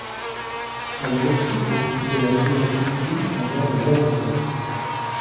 Elle reçut au début de la dynastie Sui le nom Yongzhou.